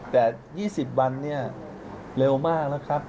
แต่๒๐วันเนี่ยเร็วมากแล้วครับ